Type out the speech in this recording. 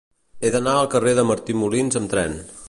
He d'anar al carrer de Martí Molins amb tren.